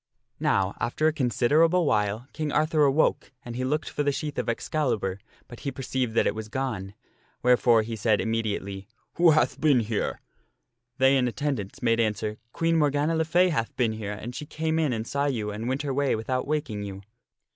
Now, after a considerable while, King Arthur awoke and he looked for the sheath of Excalibur, but he perceived that it was gone, wherefore he said immediately, " Who hath been here?" They in attendance made answer, " Queen Morgana le Fay had been here and she came in and saw you and went her way without waking you."